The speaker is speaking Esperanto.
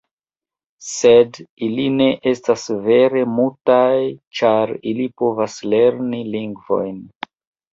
Sed ili ne estas vere mutaj, ĉar ili povas lerni lingvojn.